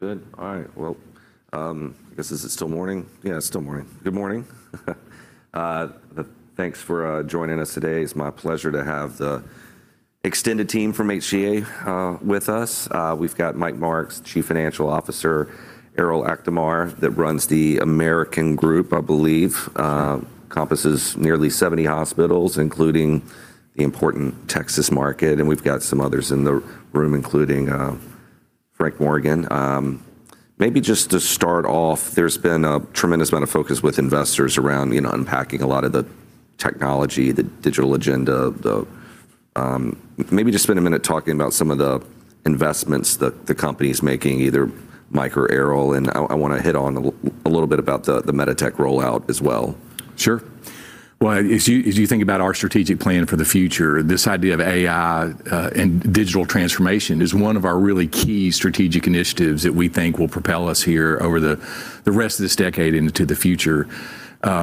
All right. We're good? All right. Well, I guess, is it still morning? Yeah, it's still morning. Good morning. Thanks for joining us today. It's my pleasure to have the extended team from HCA with us. We've got Mike Marks, Chief Financial Officer, Erol Akdamar that runs the American Group, I believe, encompasses nearly 70 hospitals, including the important Texas market, and we've got some others in the room, including Frank Morgan. Maybe just to start off, there's been a tremendous amount of focus with investors around, you know, unpacking a lot of the technology, the digital agenda, maybe just spend a minute talking about some of the investments that the company is making, either Mike or Erol, and I wanna hit on a little bit about the MEDITECH rollout as well. Sure. Well, as you think about our strategic plan for the future, this idea of AI and digital transformation is one of our really key strategic initiatives that we think will propel us here over the rest of this decade into the future.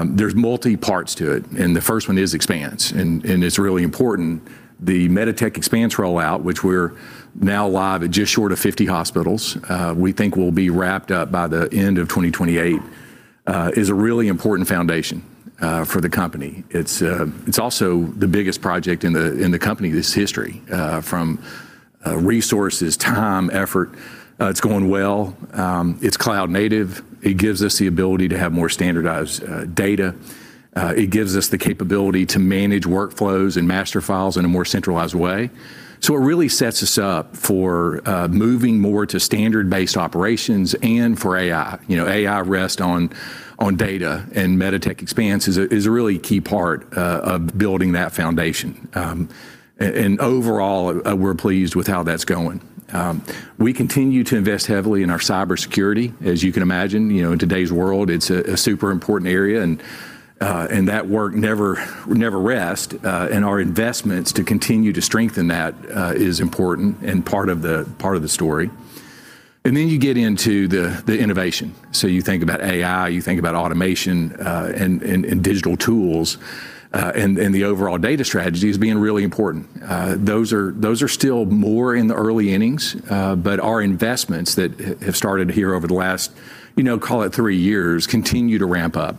There's multiple parts to it, and the first one is Expanse. It's really important. The MEDITECH Expanse rollout, which we're now live at just short of 50 hospitals, we think will be wrapped up by the end of 2028, is a really important foundation for the company. It's also the biggest project in the company's history from resources, time, effort. It's going well. It's cloud native. It gives us the ability to have more standardized data. It gives us the capability to manage workflows and master files in a more centralized way. It really sets us up for moving more to standards-based operations and for AI. You know, AI rests on data and MEDITECH Expanse is a really key part of building that foundation. And overall, we're pleased with how that's going. We continue to invest heavily in our cybersecurity. As you can imagine, you know, in today's world, it's a super important area, and that work never rests. And our investments to continue to strengthen that is important and part of the story. Then you get into the innovation. You think about AI, you think about automation, and digital tools, and the overall data strategy as being really important. Those are still more in the early innings, but our investments that have started here over the last, you know, call it three years, continue to ramp up.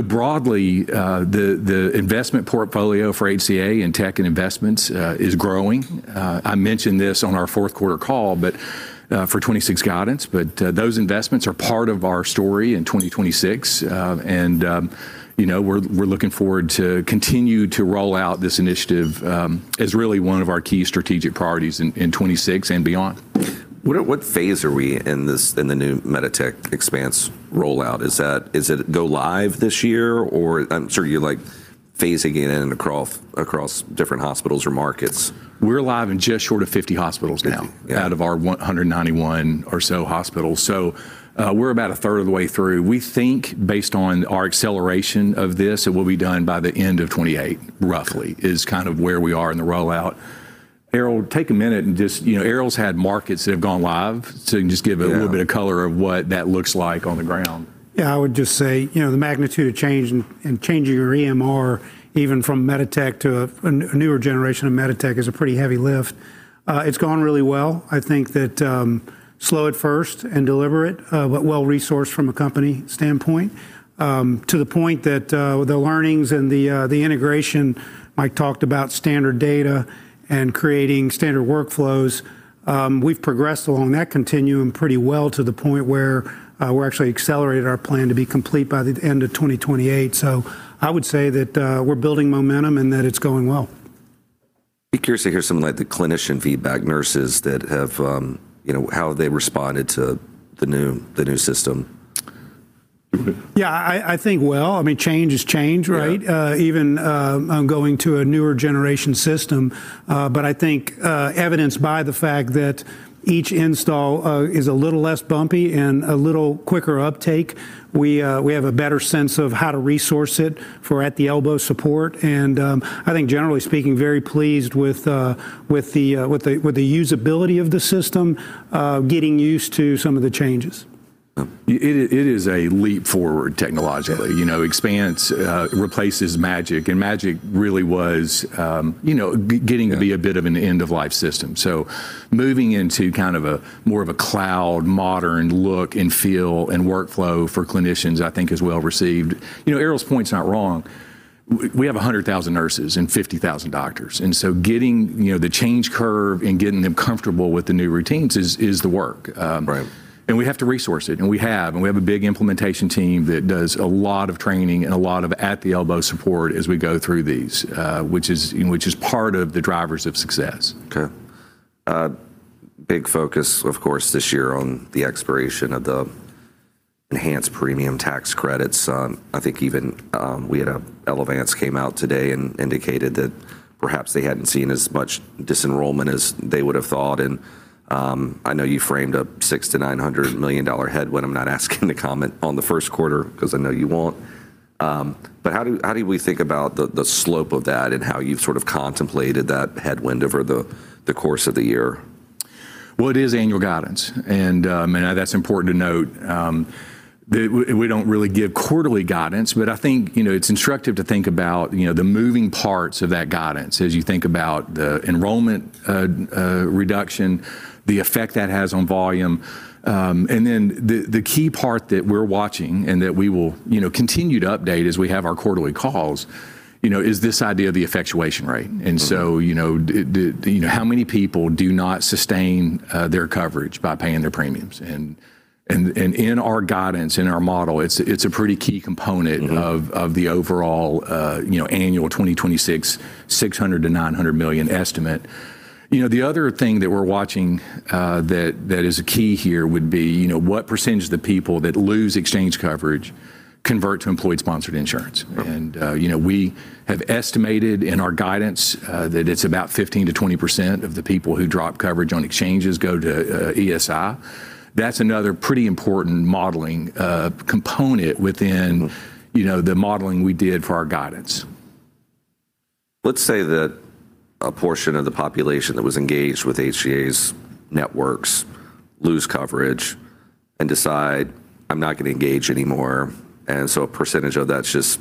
Broadly, the investment portfolio for HCA and tech and investments is growing. I mentioned this on our fourth quarter call, but for 2026 guidance. Those investments are part of our story in 2026. You know, we're looking forward to continue to roll out this initiative as really one of our key strategic priorities in 2026 and beyond. What phase are we in the new MEDITECH Expanse rollout? Is it go-live this year, or I'm sure you're like phasing in and across different hospitals or markets. We're live in just short of 50 hospitals now. 50. Yeah. out of our 191 or so hospitals. We're about a third of the way through. We think based on our acceleration of this, it will be done by the end of 2028, roughly, is kind of where we are in the rollout. Erol, take a minute and just, Erol's had markets that have gone live, so you can just give a little bit. Yeah. of color of what that looks like on the ground. Yeah. I would just say, you know, the magnitude of change in changing your EMR, even from MEDITECH to a newer generation of MEDITECH, is a pretty heavy lift. It's gone really well. I think that slow at first and deliver it, but well-resourced from a company standpoint, to the point that the learnings and the integration, Mike talked about standard data and creating standard workflows. We've progressed along that continuum pretty well to the point where we're actually accelerating our plan to be complete by the end of 2028. I would say that we're building momentum and that it's going well. Be curious to hear some, like, the clinician feedback, nurses that have, you know, how they responded to the new system. Yeah, I think well. I mean, change is change, right? Yeah. Even going to a newer generation system. I think evidenced by the fact that each install is a little less bumpy and a little quicker uptake. We have a better sense of how to resource it for at the elbow support. I think generally speaking, very pleased with the usability of the system, getting used to some of the changes. Oh. It is a leap forward technologically. You know, Expanse replaces Magic, and Magic really was, you know, getting to be a bit of an end of life system. So moving into kind of a more of a cloud modern look and feel and workflow for clinicians, I think is well received. You know, Erol's point's not wrong. We have 100,000 nurses and 50,000 doctors, and so getting, you know, the change curve and getting them comfortable with the new routines is the work. Right. We have to resource it, and we have a big implementation team that does a lot of training and a lot of at the elbow support as we go through these, which is, you know, part of the drivers of success. Okay. Big focus, of course, this year on the expiration of the enhanced premium tax credits. I think even Elevance Health came out today and indicated that perhaps they hadn't seen as much disenrollment as they would have thought. I know you framed a $600 million-$900 million headwind. I'm not asking to comment on the first quarter 'cause I know you won't. How do we think about the slope of that and how you've sort of contemplated that headwind over the course of the year? Well, it is annual guidance, and that's important to note. We don't really give quarterly guidance, but I think, you know, it's instructive to think about, you know, the moving parts of that guidance as you think about the enrollment reduction, the effect that has on volume. The key part that we're watching and that we will, you know, continue to update as we have our quarterly calls, you know, is this idea of the effectuation rate. you know, the you know, how many people do not sustain their coverage by paying their premiums? In our guidance, in our model, it's a pretty key component. Of the overall, you know, annual 2026 $600 million-$900 million estimate. You know, the other thing that we're watching, that is a key here would be, you know, what percentage of the people that lose exchange coverage convert to employer-sponsored insurance? Right. You know, we have estimated in our guidance that it's about 15%-20% of the people who drop coverage on exchanges go to ESI. That's another pretty important modeling component within you know, the modeling we did for our guidance. Let's say that a portion of the population that was engaged with HCA's networks lose coverage and decide, "I'm not gonna engage anymore." A percentage of that's just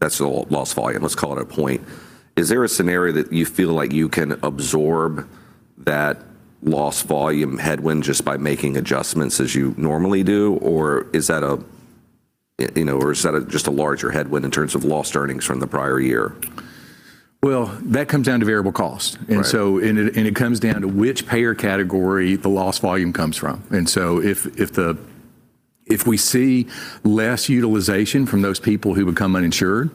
that's all lost volume, let's call it a point. Is there a scenario that you feel like you can absorb that lost volume headwind just by making adjustments as you normally do? Or is that a, you know, just a larger headwind in terms of lost earnings from the prior year? Well, that comes down to variable cost. Right. It comes down to which payer category the lost volume comes from. If we see less utilization from those people who become uninsured,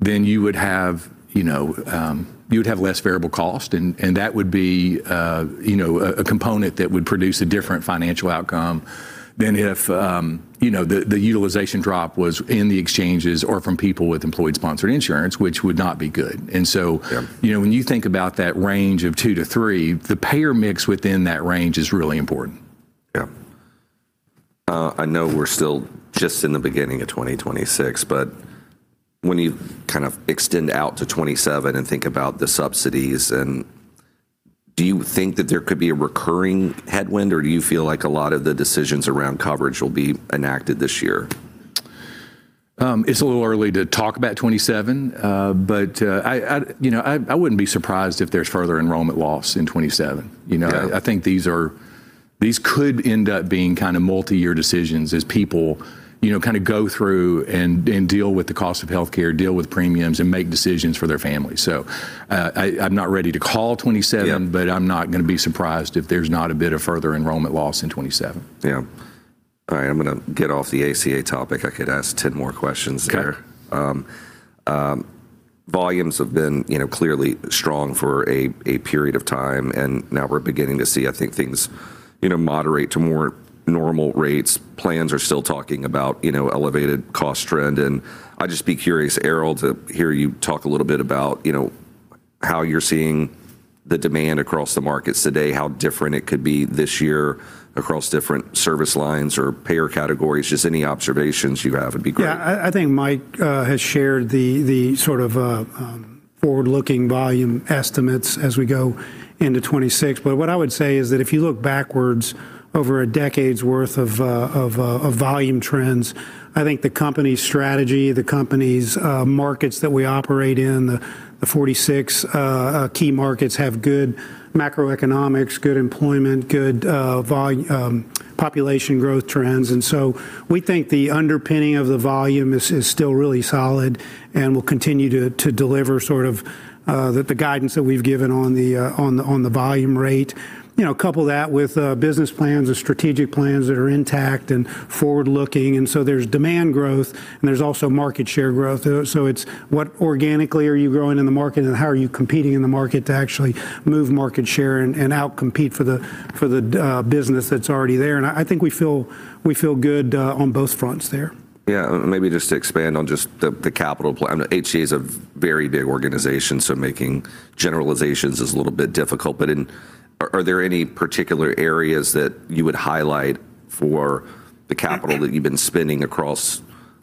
then you would have, you know, less variable cost, and that would be, you know, a component that would produce a different financial outcome than if, you know, the utilization drop was in the exchanges or from people with employer-sponsored insurance, which would not be good. Yeah. You know, when you think about that range of two to three, the payer mix within that range is really important. Yeah. I know we're still just in the beginning of 2026, but when you kind of extend out to 2027 and think about the subsidies and do you think that there could be a recurring headwind, or do you feel like a lot of the decisions around coverage will be enacted this year? It's a little early to talk about 2027. I wouldn't be surprised if there's further enrollment loss in 2027, you know. Yeah. I think these could end up being kinda multi-year decisions as people, you know, kinda go through and deal with the cost of healthcare, deal with premiums, and make decisions for their families. I'm not ready to call 27- Yeah. I'm not gonna be surprised if there's not a bit of further enrollment loss in 2027. Yeah. All right, I'm gonna get off the ACA topic. I could ask 10 more questions there. Okay. Volumes have been, you know, clearly strong for a period of time, and now we're beginning to see, I think, things, you know, moderate to more normal rates. Plans are still talking about, you know, elevated cost trend. I'd just be curious, Erol, to hear you talk a little bit about, you know, how you're seeing the demand across the markets today, how different it could be this year across different service lines or payer categories. Just any observations you have would be great. Yeah. I think Mike has shared the sort of forward-looking volume estimates as we go into 2026. What I would say is that if you look backwards over a decade's worth of volume trends, I think the company's strategy, the company's markets that we operate in, the 46 key markets have good macroeconomics, good employment, good population growth trends. We think the underpinning of the volume is still really solid and will continue to deliver sort of the guidance that we've given on the volume rate. You know, couple that with business plans or strategic plans that are intact and forward-looking, and so there's demand growth, and there's also market share growth. It's what organically are you growing in the market, and how are you competing in the market to actually move market share and outcompete for the business that's already there. I think we feel good on both fronts there. Yeah. Maybe just to expand on the capital plan. I know HCA is a very big organization, so making generalizations is a little bit difficult. Are there any particular areas that you would highlight for the capital that you've been spending across,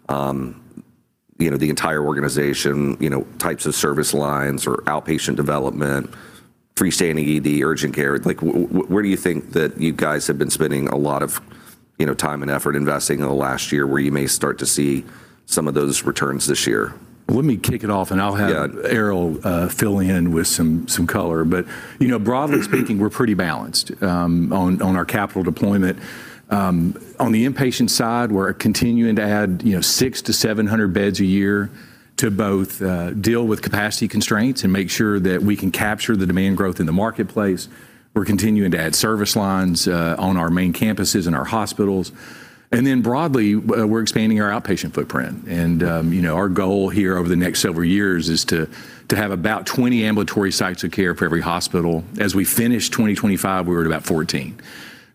you know, the entire organization, you know, types of service lines or outpatient development, freestanding ED, urgent care? Like, where do you think that you guys have been spending a lot of, you know, time and effort investing in the last year, where you may start to see some of those returns this year? Let me kick it off, and I'll have. Yeah. Erol, fill in with some color. But you know, broadly speaking, we're pretty balanced on our capital deployment. On the inpatient side, we're continuing to add, you know, 600-700 beds a year to both deal with capacity constraints and make sure that we can capture the demand growth in the marketplace. We're continuing to add service lines on our main campuses and our hospitals. We're expanding our outpatient footprint. You know, our goal here over the next several years is to have about 20 ambulatory sites of care for every hospital. As we finished 2025, we were at about 14.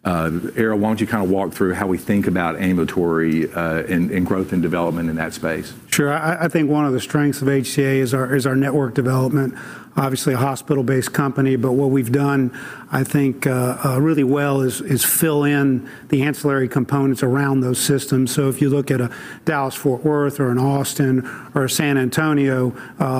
Erol, why don't you kinda walk through how we think about ambulatory and growth and development in that space? Sure. I think one of the strengths of HCA is our network development. Obviously, a hospital-based company, but what we've done, I think, really well is fill in the ancillary components around those systems. So if you look at a Dallas-Fort Worth or an Austin or a San Antonio,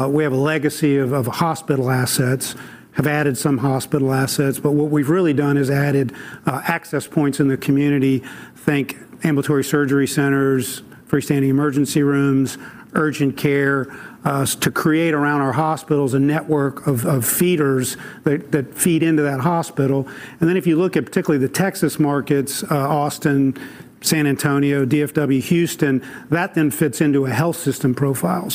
we have a legacy of hospital assets, have added some hospital assets, but what we've really done is added access points in the community. Think ambulatory surgery centers, freestanding emergency rooms, urgent care to create around our hospitals a network of feeders that feed into that hospital. If you look at particularly the Texas markets, Austin, San Antonio, DFW, Houston, that then fits into a health system profile.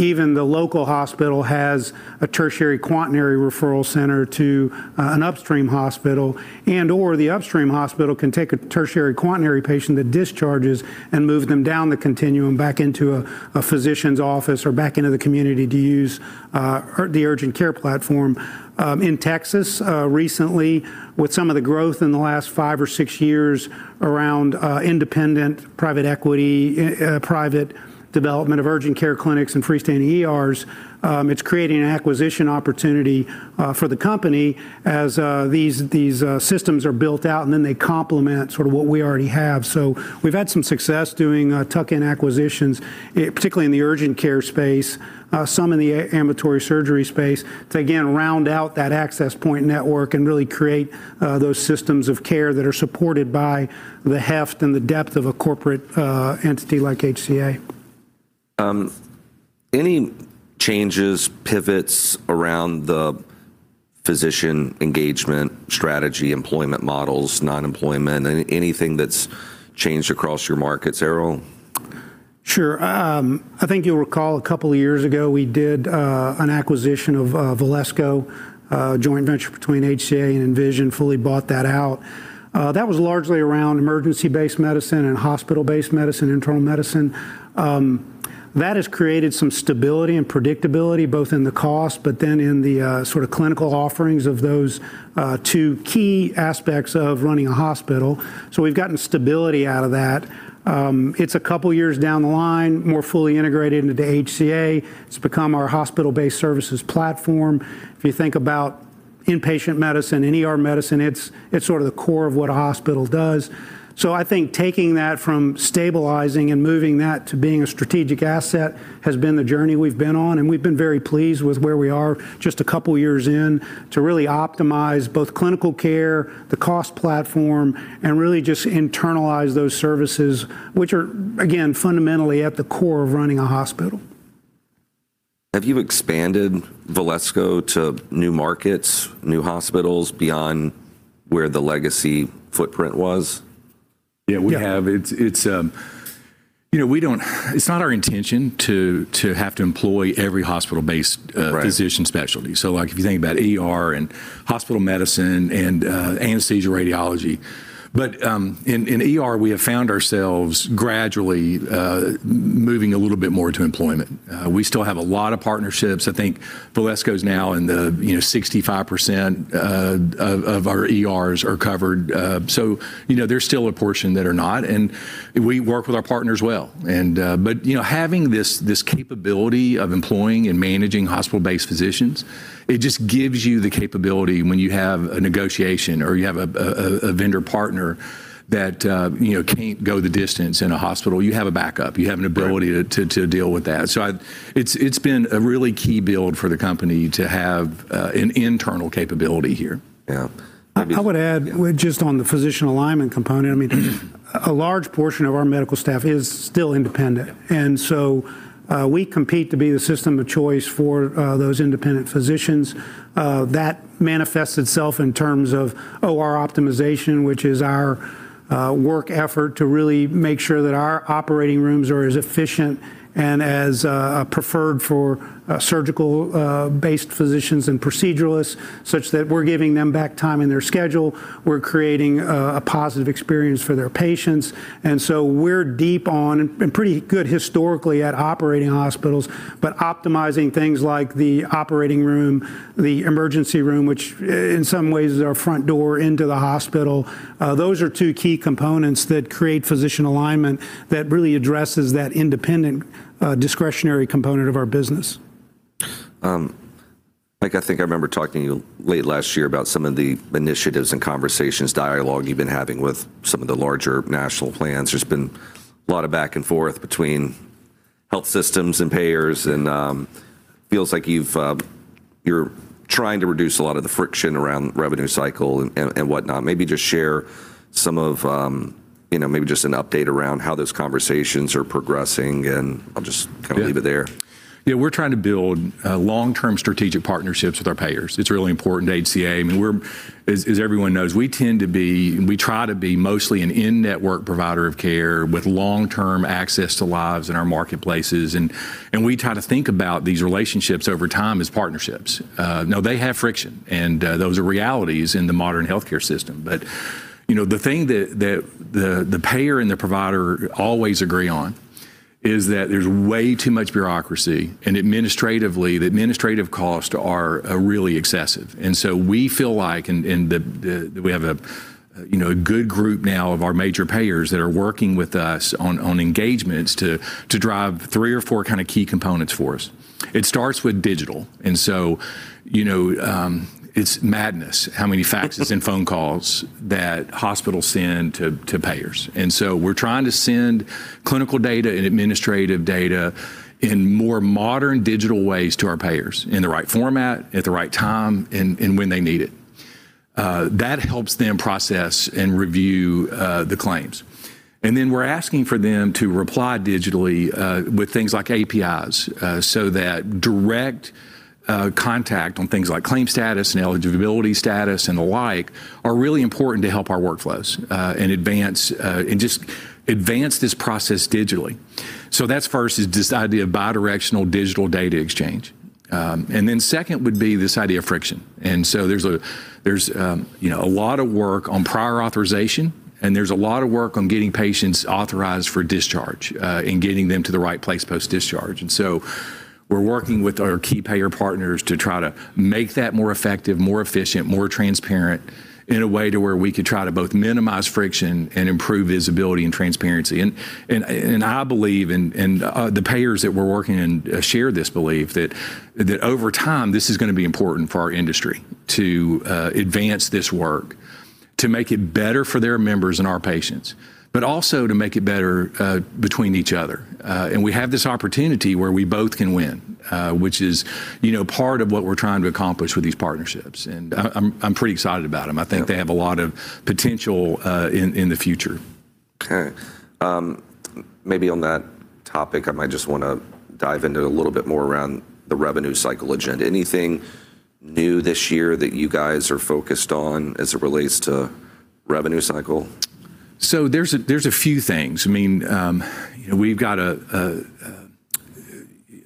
Even the local hospital has a tertiary quaternary referral center to an upstream hospital, and/or the upstream hospital can take a tertiary quaternary patient that discharges and move them down the continuum back into a physician's office or back into the community to use the urgent care platform. In Texas, recently, with some of the growth in the last five or six years around independent private equity private development of urgent care clinics and freestanding ERs, it's creating an acquisition opportunity for the company as these systems are built out, and then they complement sort of what we already have. We've had some success doing tuck-in acquisitions, particularly in the urgent care space, some in the ambulatory surgery space to, again, round out that access point network and really create those systems of care that are supported by the heft and the depth of a corporate entity like HCA. Any changes, pivots around the physician engagement strategy, employment models, non-employment, anything that's changed across your markets, Erol? Sure. I think you'll recall a couple of years ago, we did an acquisition of Valesco, a joint venture between HCA and Envision, fully bought that out. That was largely around emergency-based medicine and hospital-based medicine, internal medicine. That has created some stability and predictability, both in the cost, but then in the sort of clinical offerings of those two key aspects of running a hospital. We've gotten stability out of that. It's a couple of years down the line, more fully integrated into HCA. It's become our hospital-based services platform. If you think about inpatient medicine and ER medicine, it's sort of the core of what a hospital does. I think taking that from stabilizing and moving that to being a strategic asset has been the journey we've been on, and we've been very pleased with where we are just a couple of years in to really optimize both clinical care, the cost platform, and really just internalize those services, which are, again, fundamentally at the core of running a hospital. Have you expanded Valesco to new markets, new hospitals beyond where the legacy footprint was? Yeah, we have. Yeah. It's not our intention to have to employ every hospital-based. Right Physician specialty. Like, if you think about ER and hospital medicine and anesthesia radiology. In ER, we have found ourselves gradually moving a little bit more to employment. We still have a lot of partnerships. I think Valesco is now in the 65% of our ERs are covered. There's still a portion that are not, and we work with our partners well. Having this capability of employing and managing hospital-based physicians, it just gives you the capability when you have a negotiation or you have a vendor partner that can't go the distance in a hospital. You have a backup. You have an ability. Right. to deal with that. It's been a really key build for the company to have an internal capability here. Yeah. Obviously. I would add just on the physician alignment component, I mean, a large portion of our medical staff is still independent. We compete to be the system of choice for those independent physicians. That manifests itself in terms of OR optimization, which is our work effort to really make sure that our operating rooms are as efficient and as preferred for surgical based physicians and proceduralists, such that we're giving them back time in their schedule. We're creating a positive experience for their patients. We're deep on and pretty good historically at operating hospitals, but optimizing things like the operating room, the emergency room, which in some ways is our front door into the hospital. Those are two key components that create physician alignment that really addresses that independent discretionary component of our business. Mike, I think I remember talking to you late last year about some of the initiatives and conversations, dialogue you've been having with some of the larger national plans. There's been a lot of back and forth between health systems and payers and feels like you're trying to reduce a lot of the friction around revenue cycle and whatnot. Maybe just share some of, you know, maybe just an update around how those conversations are progressing, and I'll just kinda leave it there. Yeah. We're trying to build long-term strategic partnerships with our payers. It's really important to HCA. I mean, we're, as everyone knows, we tend to be, and we try to be mostly an in-network provider of care with long-term access to lives in our marketplaces, and we try to think about these relationships over time as partnerships. No, they have friction, and those are realities in the modern healthcare system. You know, the thing that the payer and the provider always agree on is that there's way too much bureaucracy, and administratively, the administrative costs are really excessive. We feel like we have a, you know, a good group now of our major payers that are working with us on engagements to drive three or four kinda key components for us. It starts with digital. You know, it's madness how many faxes and phone calls that hospitals send to payers. We're trying to send clinical data and administrative data in more modern digital ways to our payers in the right format, at the right time, and when they need it. That helps them process and review the claims. We're asking for them to reply digitally with things like APIs so that direct contact on things like claim status and eligibility status and the like are really important to help our workflows and just advance this process digitally. That's first is this idea of bi-directional digital data exchange. Then second would be this idea of friction. There's a lot of work on prior authorization, and there's a lot of work on getting patients authorized for discharge, and getting them to the right place post-discharge. We're working with our key payer partners to try to make that more effective, more efficient, more transparent in a way to where we could try to both minimize friction and improve visibility and transparency. I believe, and the payers that we're working with share this belief that over time, this is gonna be important for our industry to advance this work, to make it better for their members and our patients, but also to make it better between each other. We have this opportunity where we both can win, which is, you know, part of what we're trying to accomplish with these partnerships. I'm pretty excited about them. I think they have a lot of potential in the future. Okay. Maybe on that topic, I might just wanna dive into it a little bit more around the revenue cycle agenda. Anything new this year that you guys are focused on as it relates to revenue cycle? There's a few things. I mean, you know, we've got a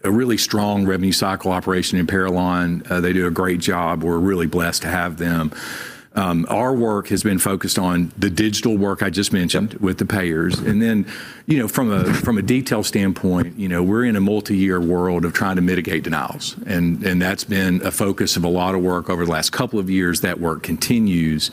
really strong revenue cycle operation in Parallon. They do a great job. We're really blessed to have them. Our work has been focused on the digital work I just mentioned. Yep. with the payers. Then, you know, from a detail standpoint, you know, we're in a multi-year world of trying to mitigate denials, and that's been a focus of a lot of work over the last couple of years. That work continues, and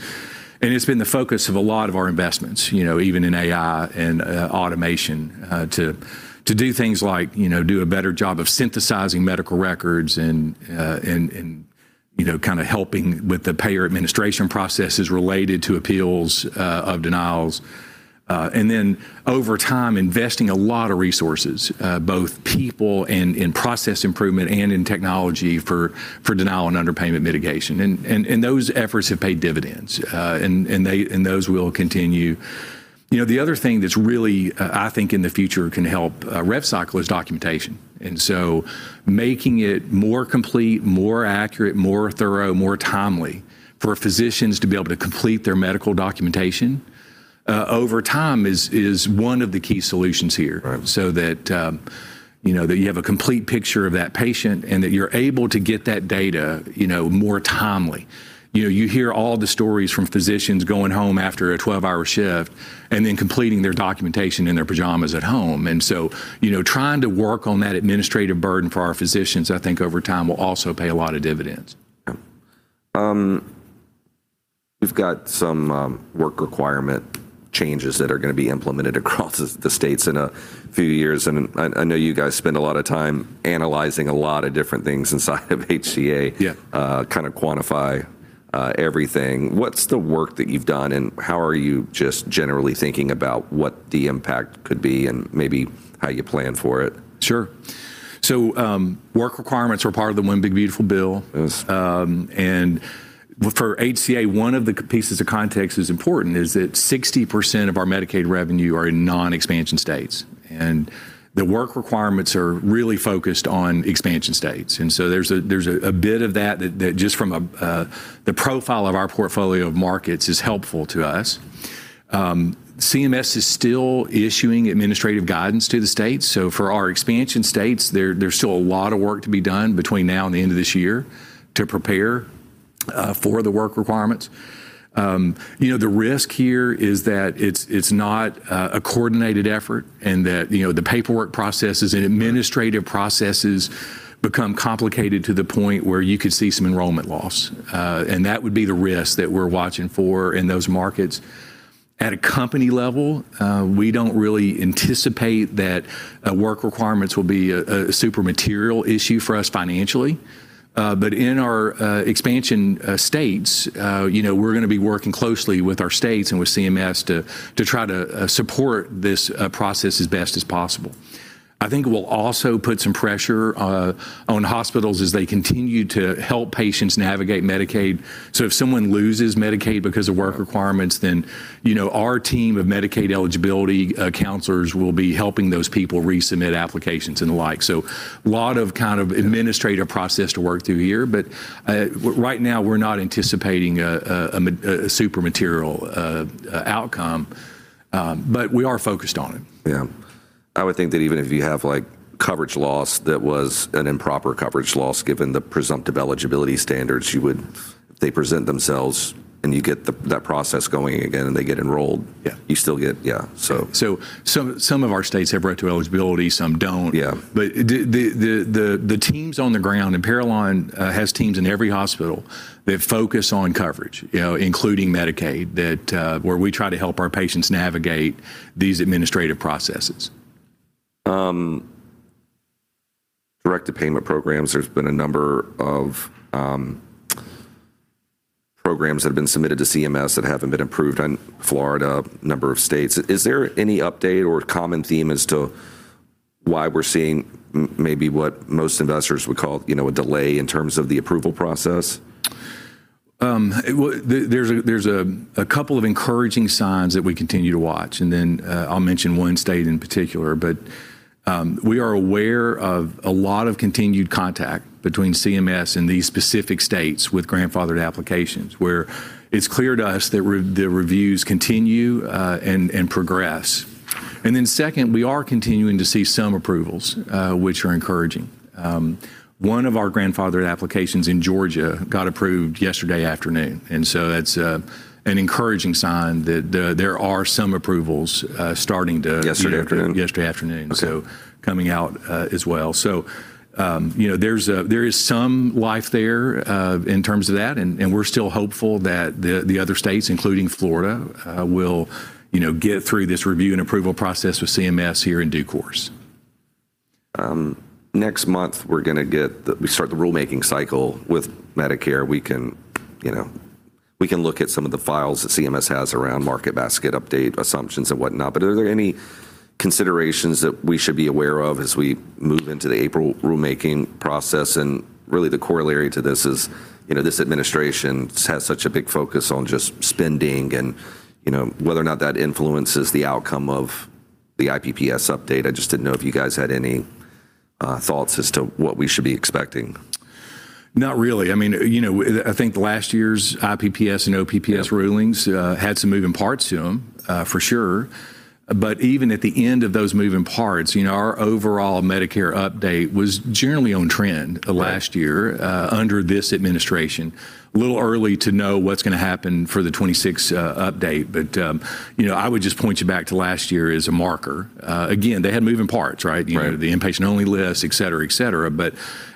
it's been the focus of a lot of our investments, you know, even in AI and automation, to do things like, you know, do a better job of synthesizing medical records and, you know, kinda helping with the payer administration processes related to appeals of denials. Then over time, investing a lot of resources, both people and in process improvement and in technology for denial and underpayment mitigation. Those efforts have paid dividends, and those will continue. You know, the other thing that's really, I think in the future can help, rev cycle is documentation. Making it more complete, more accurate, more thorough, more timely for physicians to be able to complete their medical documentation over time is one of the key solutions here. Right. that you know, that you have a complete picture of that patient and that you're able to get that data, you know, more timely. You know, you hear all the stories from physicians going home after a 12-hour shift and then completing their documentation in their pajamas at home. you know, trying to work on that administrative burden for our physicians, I think over time will also pay a lot of dividends. Yep. We've got some work requirement changes that are gonna be implemented across the states in a few years, and I know you guys spend a lot of time analyzing a lot of different things inside of HCA. Yeah. Kinda quantify everything. What's the work that you've done, and how are you just generally thinking about what the impact could be and maybe how you plan for it? Sure. Work requirements were part of the One Big Beautiful Bill. Yes. For HCA, one of the pieces of context that's important is that 60% of our Medicaid revenue are in non-expansion states, and the work requirements are really focused on expansion states. There's a bit of that just from the profile of our portfolio of markets is helpful to us. CMS is still issuing administrative guidance to the states. For our expansion states, there's still a lot of work to be done between now and the end of this year to prepare for the work requirements. You know, the risk here is that it's not a coordinated effort and that, you know, the paperwork processes and administrative processes become complicated to the point where you could see some enrollment loss. That would be the risk that we're watching for in those markets. At a company level, we don't really anticipate that work requirements will be a super material issue for us financially. In our expansion states, you know, we're gonna be working closely with our states and with CMS to try to support this process as best as possible. I think it will also put some pressure on hospitals as they continue to help patients navigate Medicaid. If someone loses Medicaid because of work requirements, then, you know, our team of Medicaid eligibility counselors will be helping those people resubmit applications and the like. A lot of kind of administrative process to work through here, but right now we're not anticipating a super material outcome, but we are focused on it. Yeah. I would think that even if you have, like, coverage loss that was an improper coverage loss, given the presumptive eligibility standards, they present themselves, and you get that process going again, and they get enrolled. Yeah. Yeah, so. Some of our states have presumptive eligibility, some don't. Yeah. The teams on the ground, and Parallon has teams in every hospital that focus on coverage, you know, including Medicaid, that where we try to help our patients navigate these administrative processes. Directed payment programs, there's been a number of programs that have been submitted to CMS that haven't been approved in Florida, a number of states. Is there any update or common theme as to why we're seeing maybe what most investors would call, you know, a delay in terms of the approval process? There's a couple of encouraging signs that we continue to watch, and then I'll mention one state in particular. We are aware of a lot of continued contact between CMS and these specific states with grandfathered applications, where it's clear to us that the reviews continue and progress. Second, we are continuing to see some approvals, which are encouraging. One of our grandfathered applications in Georgia got approved yesterday afternoon, and so that's an encouraging sign that there are some approvals starting to Yesterday afternoon? Yesterday afternoon. Okay. Coming out as well. You know, there is some life there in terms of that, and we're still hopeful that the other states, including Florida, will, you know, get through this review and approval process with CMS here in due course. Next month, we start the rulemaking cycle with Medicare. We can, you know, look at some of the files that CMS has around market basket update assumptions and whatnot. Are there any considerations that we should be aware of as we move into the April rulemaking process? Really the corollary to this is, you know, this administration has such a big focus on just spending and, you know, whether or not that influences the outcome of the IPPS update. I just didn't know if you guys had any thoughts as to what we should be expecting. Not really. I mean, you know, I think last year's IPPS and OPPS rulings. had some moving parts to them, for sure. Even at the end of those moving parts, you know, our overall Medicare update was generally on trend. Right. Last year, under this administration. A little early to know what's gonna happen for the 2026 update, but, you know, I would just point you back to last year as a marker. Again, they had moving parts, right? Right. You know, the inpatient-only list, et cetera, et cetera.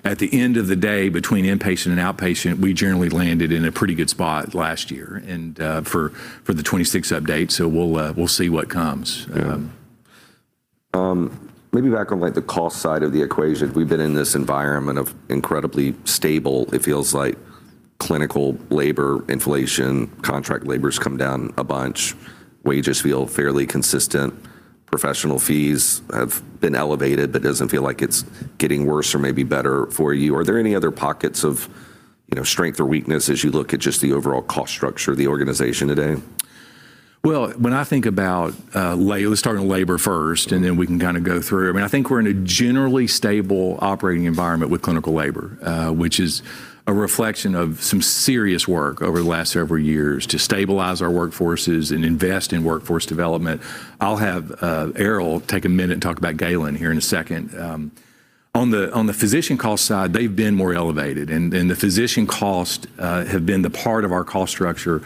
At the end of the day, between inpatient and outpatient, we generally landed in a pretty good spot last year and for the 2026 update, so we'll see what comes. Yeah. Maybe back on like the cost side of the equation, we've been in this environment of incredibly stable, it feels like, clinical labor inflation, contract labor's come down a bunch, wages feel fairly consistent, professional fees have been elevated, but doesn't feel like it's getting worse or maybe better for you. Are there any other pockets of, you know, strength or weakness as you look at just the overall cost structure of the organization today? Well, when I think about, let's start on labor first, and then we can kinda go through. I mean, I think we're in a generally stable operating environment with clinical labor, which is a reflection of some serious work over the last several years to stabilize our workforces and invest in workforce development. I'll have Erol take a minute and talk about Galen here in a second. On the physician cost side, they've been more elevated, and the physician cost have been the part of our cost structure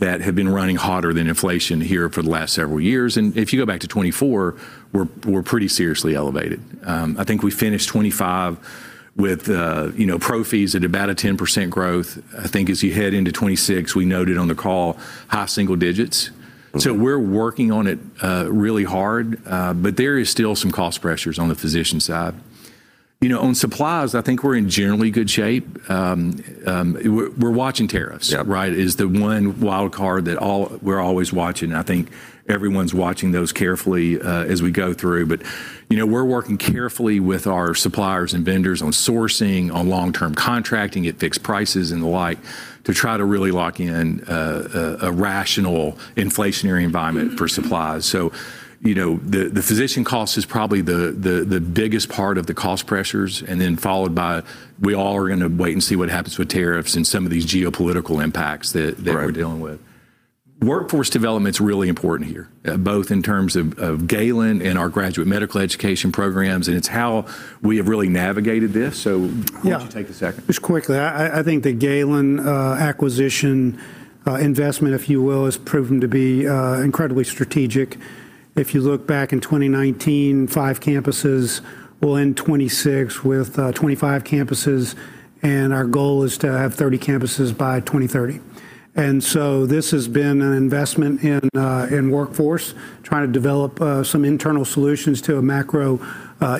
that have been running hotter than inflation here for the last several years. If you go back to 2024, we're pretty seriously elevated. I think we finished 2025 with, you know, pro fees at about a 10% growth. I think as you head into 2026, we noted on the call, high single digits. We're working on it really hard, but there is still some cost pressures on the physician side. You know, on supplies, I think we're in generally good shape. We're watching tariffs. Yeah. Right? It's the one wild card that we're always watching. I think everyone's watching those carefully, as we go through. You know, we're working carefully with our suppliers and vendors on sourcing, on long-term contracting at fixed prices and the like, to try to really lock in a rational inflationary environment for supplies. You know, the physician cost is probably the biggest part of the cost pressures, and then followed by we all are gonna wait and see what happens with tariffs and some of these geopolitical impacts that we're dealing with. Right. Workforce development's really important here, both in terms of Galen and our graduate medical education programs, and it's how we have really navigated this. Yeah. Why don't you take a second? Just quickly, I think the Galen acquisition investment, if you will, has proven to be incredibly strategic. If you look back in 2019, 5 campuses will end 2026 with 25 campuses, and our goal is to have 30 campuses by 2030. This has been an investment in workforce, trying to develop some internal solutions to a macro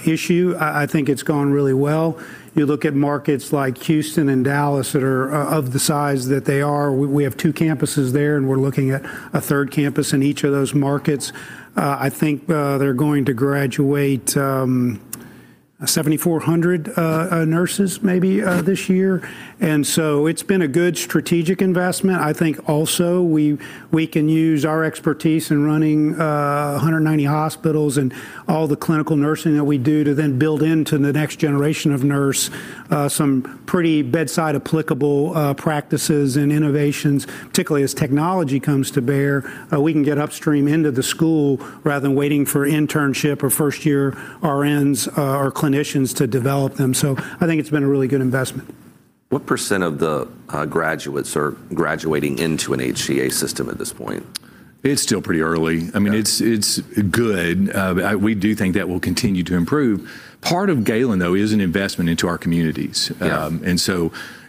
issue. I think it's gone really well. You look at markets like Houston and Dallas that are of the size that they are. We have two campuses there, and we're looking at a third campus in each of those markets. I think they're going to graduate 7,400 nurses maybe this year. It's been a good strategic investment. I think also we can use our expertise in running 190 hospitals and all the clinical nursing that we do to then build into the next generation of nurse some pretty bedside applicable practices and innovations. Particularly as technology comes to bear, we can get upstream into the school rather than waiting for internship or first year RNs or clinicians to develop them. I think it's been a really good investment. What % of the graduates are graduating into an HCA system at this point? It's still pretty early. Yeah. I mean, it's good. We do think that will continue to improve. Part of Galen, though, is an investment into our communities. Yeah.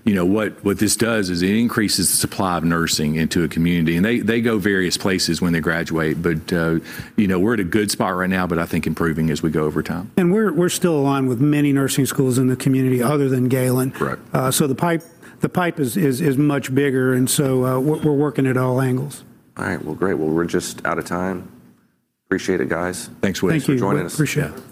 you know, what this does is it increases the supply of nursing into a community. They go various places when they graduate. you know, we're at a good spot right now, but I think improving as we go over time. We're still aligned with many nursing schools in the community other than Galen. Correct. The pipe is much bigger, and so we're working at all angles. All right. Well, great. Well, we're just out of time. Appreciate it, guys. Thanks, Willis, for joining us. Thank you. Appreciate it.